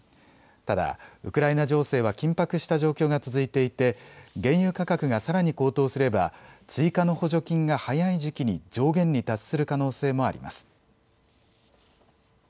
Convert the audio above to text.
ただ、ウクライナ情勢は緊迫した状況が続いていて原油価格がさらに高騰すれば追加の補助金が早い時期に上限に達する可能性もあります。